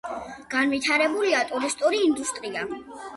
განვითარებულია ტურისტული ინდუსტრია.